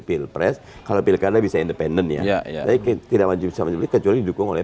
pilpres kalau pilkada bisa independen ya ya ya kayaknya tidak maju sama juga cuy dukung oleh